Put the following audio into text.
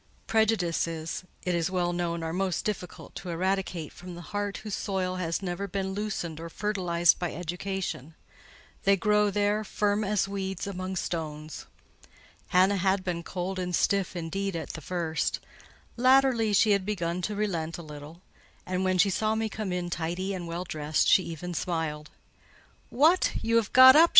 Prejudices, it is well known, are most difficult to eradicate from the heart whose soil has never been loosened or fertilised by education: they grow there, firm as weeds among stones. Hannah had been cold and stiff, indeed, at the first: latterly she had begun to relent a little; and when she saw me come in tidy and well dressed, she even smiled. "What, you have got up!"